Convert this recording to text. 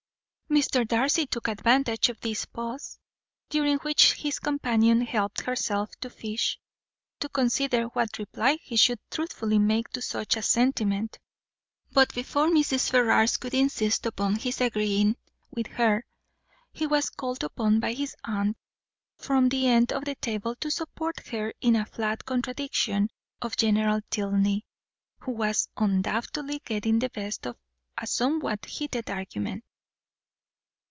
Mr. Darcy took advantage of this pause, during which his companion helped herself to fish, to consider what reply he should truthfully make to such a sentiment; but before Mrs. Ferrars could insist upon his agreeing with her, he was called upon by his aunt from the end of the table to support her in a flat contradiction of General Tilney, who was undoubtedly getting the best of a somewhat heated argument.